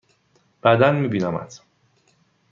بعدا می بینمت!